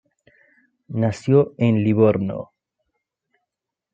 Nació en Livorno.